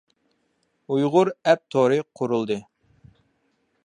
ئۇيغۇر ئەپ تورى قۇرۇلدى.